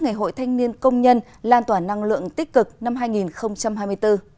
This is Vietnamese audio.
ngày hội thanh niên công nhân lan tỏa năng lượng tích cực năm hai nghìn hai mươi bốn